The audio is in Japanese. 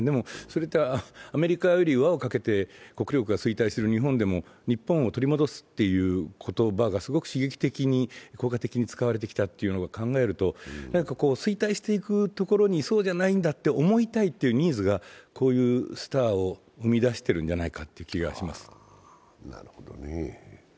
それってアメリカより輪をかけて国力が衰退していてる日本でも日本を取り戻すという言葉がすごく刺激的に使われたことを考えると、衰退していくっていうことに、そうじゃないんだって思いたいというニーズがこういうスターを生み出しているんじゃないかという気がします。